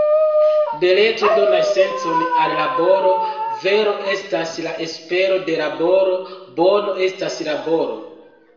Beleco- donas sencon al laboro, vero- estas la espero de laboro, bono- estas laboro.